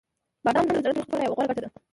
• بادام د زړه د روغتیا لپاره یوه غوره ګټه ده.